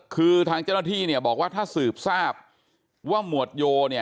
คือทางเจ้าหน้าที่เนี่ยบอกว่าถ้าสืบทราบว่าหมวดโยเนี่ย